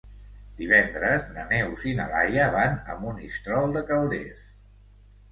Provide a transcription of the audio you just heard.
Divendres na Neus i na Laia van a Monistrol de Calders.